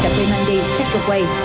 cà phê mandy checkaway